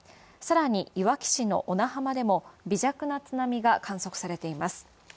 さらに、いわき市の小名浜でも微弱な津波が観測されています。